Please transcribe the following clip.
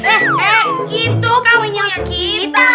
eh eh itu kamunya kita